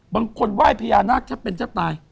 ไหว้พญานาคแค่เป็นเจ้าตาย